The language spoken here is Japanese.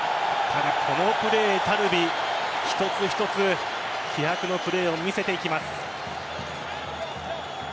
ただ、このプレー、タルビ一つ一つ気迫のプレーを見せていきます。